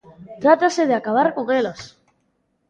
Trátase de acabar con elas.